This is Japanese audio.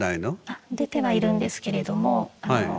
あっ出てはいるんですけれどもあの。